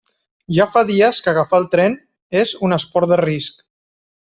Ja fa dies que agafar el tren és un esport de risc.